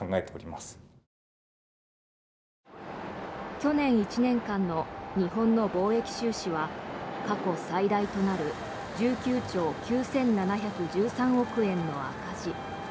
去年１年間の日本の貿易収支は過去最大となる１９兆９７１３億円の赤字。